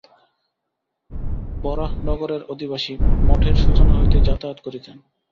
বরাহনগরের অধিবাসী, মঠের সূচনা হইতেই যাতায়াত করিতেন।